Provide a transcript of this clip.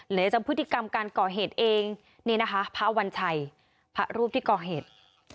เหลือจำพฤติกรรมการก่อเหตุเองนี่นะคะพระวัญชัยพระรูปที่ก่อเหตุ